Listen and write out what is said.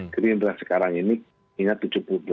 gerindra sekarang ini ingat tujuh puluh delapan